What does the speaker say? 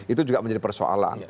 itu juga menjadi persoalan